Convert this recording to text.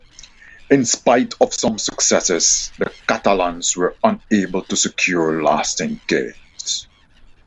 In spite of some successes, the Catalans were unable to secure lasting gains.